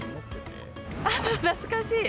あっ、懐かしい！